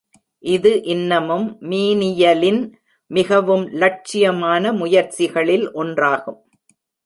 இது இன்னமும் மீனியலின் மிகவும் லட்சியமான முயற்சிகளில் ஒன்றாகும்.